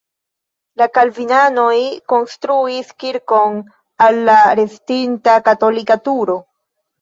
La kalvinanoj konstruis kirkon al la restinta katolika turo.